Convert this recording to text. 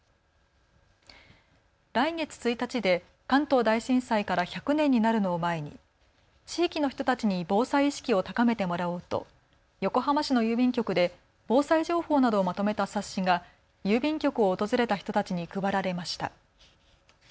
来月１日で関東大震災から１００年になるのを前に地域の人たちに防災意識を高めてもらおうと横浜市の郵便局で防災情報などをまとめた冊子が郵便局を訪れた人たちに配られました。